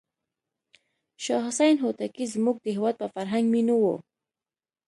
شاه حسین هوتکی زموږ د هېواد په فرهنګ مینو و.